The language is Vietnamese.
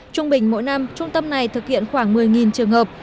trung bình mỗi năm trung tâm này thực hiện khoảng một mươi trường hợp